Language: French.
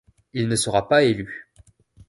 Il ne sera pas élu.